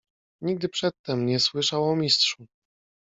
"Nigdy przedtem nie słyszał o Mistrzu."